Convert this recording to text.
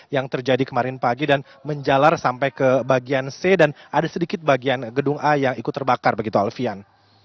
yang terjadi kemarin pagi dan menjalar sampai ke bagian c dan ada sedikit bagian gedung a yang ikut terbakar begitu alfian